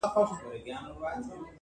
ډېر مېلمه پال سړی و.